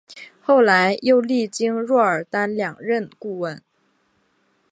后来又历经若尔丹两任顾问。